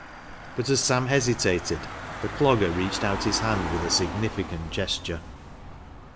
But as Sam hesitated, the Clogger reached out his hand with a significant gesture.